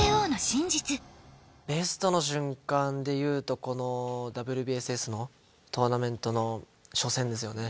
ベストの瞬間でいうとこのＷＢＳＳのトーナメントの初戦ですよね